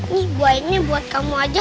nih buah ini buat kamu aja